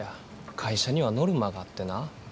会社にはノルマがあってな